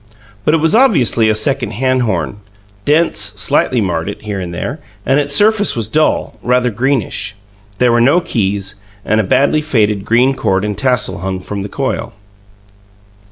But it was obviously a second hand horn; dents slightly marred it, here and there, and its surface was dull, rather greenish. There were no keys; and a badly faded green cord and tassel hung from the coil.